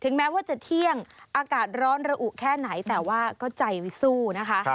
แม้ว่าจะเที่ยงอากาศร้อนระอุแค่ไหนแต่ว่าก็ใจสู้นะคะ